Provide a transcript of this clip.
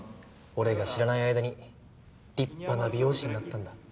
俺が知らない間に立派な美容師になったんだ。